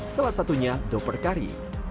salah satunya doper kari